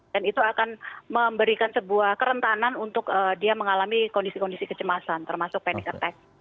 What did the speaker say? dan itu akan memberikan sebuah kerentanan untuk dia mengalami kondisi kondisi kecemasan termasuk panic attack